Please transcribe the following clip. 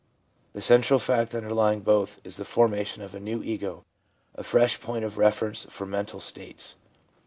The central fact underlying both is the formation of a new ego, a fresh point of reference for mental states.